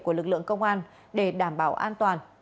của lực lượng công an để đảm bảo an toàn